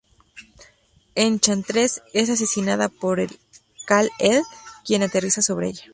Enchantress es asesinada por Kal-El, quien aterriza sobre ella.